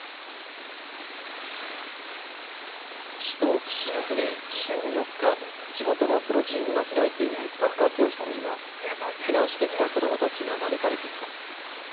首都キシニョフで週に４日、地元のプロチームが開いているサッカー教室には避難してきた子どもたちが招かれています。